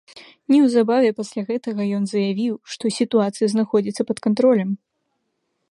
Неўзабаве пасля гэтага ён заявіў, што сітуацыя знаходзіцца пад кантролем.